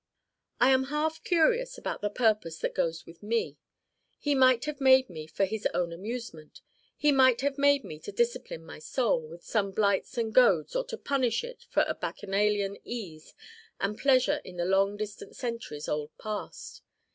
I am half curious about the Purpose that goes with me. He might have made me for his own amusement. He might have made me to discipline my Soul with some blights and goads or to punish it for bacchanalian ease and pleasure in the long distant centuries old past.